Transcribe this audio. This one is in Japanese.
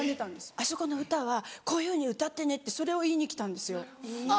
「あそこの歌はこういうふうに歌ってね」ってそれを言いに来たんですよ。